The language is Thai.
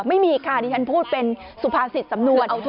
ไม่มีค่ะดิฉันพูดเป็นสุภาษิตสำนวน